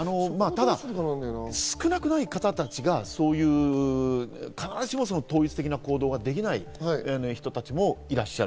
少なくない方たちが必ずしも統一的な行動ができない人たちもいらっしゃる。